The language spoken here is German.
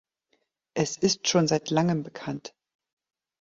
Es ist schon seit langem bekannt.